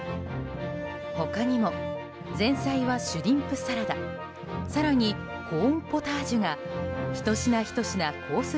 他にも前菜がシュリンプサラダ更に、コーンポタージュが１品１品コース